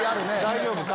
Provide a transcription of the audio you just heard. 大丈夫か？